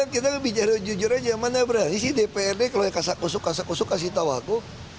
kita bicara jujur aja mana berarti sih dprd kalau suka kasih tau aku